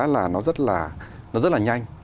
là nó rất là nhanh